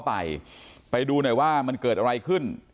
พี่สภัยลงมาดูว่าเกิดอะไรขึ้น